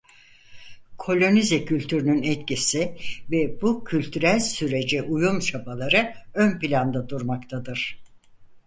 Kolonize kültürünün etkisi ve bu kültürel sürece uyum çabaları ön planda durmaktadır.